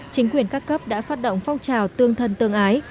chính quyền các cấp đã phát động phong trào tương thân tương ái